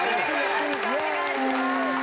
よろしくお願いします。